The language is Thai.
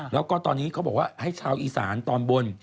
แล้วก็ตอนนี้เขาบอกว่าให้ชาวอีสานตอนบน